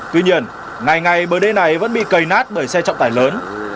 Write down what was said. tuy nhiên ngày ngày bờ đê này vẫn bị cầy nát bởi xe trọng tải lớn